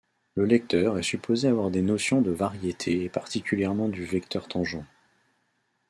Le lecteur est supposé avoir des notions de variétés et particulièrement du vecteur tangent.